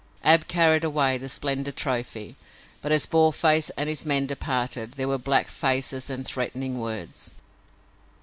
Ab carried away the splendid trophy, but as Boarface and his men departed, there were black faces and threatening words.